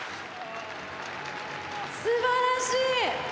すばらしい！